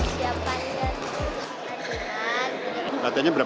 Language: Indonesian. setelah selasa siang latihan berulang